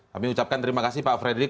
kami ucapkan terima kasih pak frederick